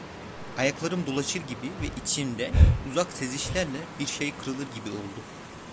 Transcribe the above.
Ayaklarım dolaşır gibi ve içimde, uzak sezişlerle, bir şey kırılır gibi oldu.